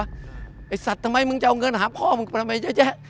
ไอ้สัตว์ทำไมมึงจะเอาเงินหาพ่อมึงทำไมเยอะแยะ